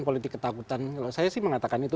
politik ketakutan kalau saya sih mengatakan itu